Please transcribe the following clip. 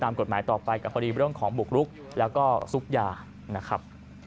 กฎหมายต่อไปกับคดีเรื่องของบุกรุกแล้วก็ซุกยานะครับ